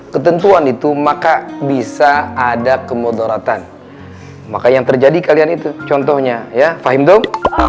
ketentuan itu maka bisa ada kemudoratan maka yang terjadi kalian itu contohnya ya fim dong